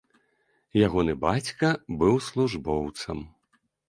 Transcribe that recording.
Ягоны бацька быў службоўцам.